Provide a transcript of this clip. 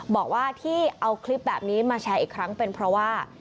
บอกว่าที่เอาคลิปแบบนี้มาแชร์อีกครั้งเป็นเพราะว่า